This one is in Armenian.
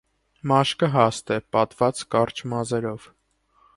Մաշկը հաստ է, պատված կարճ մազերով։